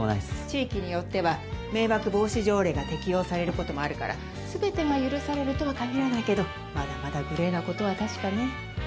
地域によっては迷惑防止条例が適用されることもあるから全てが許されるとは限らないけどまだまだグレーなことは確かね。